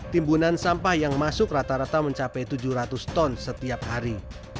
timbunan sampah yang masuk rata rata mencapai tujuh ratus ton setiap hari